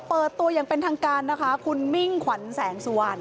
เปิดตัวอย่างเป็นทางการนะคะคุณมิ่งขวัญแสงสุวรรณ